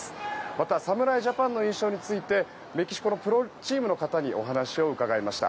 また、侍ジャパンの印象についてメキシコのプロチームの方にお話を伺いました。